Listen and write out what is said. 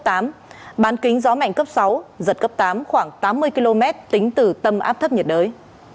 tính gió mạnh cấp sáu giật cấp tám khoảng tám mươi km tính từ tâm áp thấp nhiệt đới